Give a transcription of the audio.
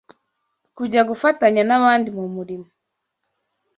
kujya gufatanya n’abandi mu murimo